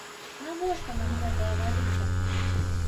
Навошта нам гэтая валюта?